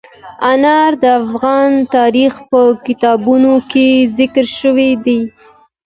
انار د افغان تاریخ په کتابونو کې ذکر شوی دي.